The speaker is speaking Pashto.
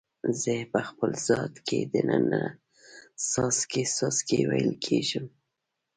زه په خپل ذات کې د ننه څاڅکي، څاڅکي ویلي کیږم